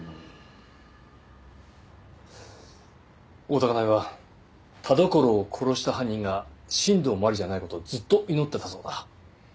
大多香苗は田所を殺した犯人が新道真理じゃない事をずっと祈ってたそうだ。